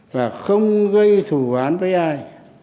và không gây thù hoán với ai